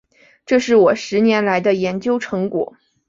这是我十年来的研究成果